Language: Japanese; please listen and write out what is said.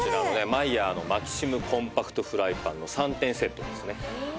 マイヤーのマキシムコンパクトフライパンの３点セットですね。